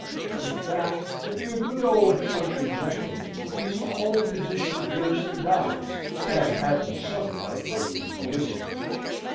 In fact, to be a good old country gentleman is to hold a position nearest the gods, and at the summit of earthly felicity.